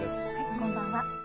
こんばんは。